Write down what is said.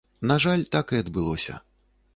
На жаль, так і адбылося.